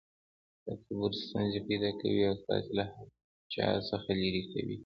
تکبر ستونزي پیدا کوي او تاسي له هر چا څخه ليري کوي.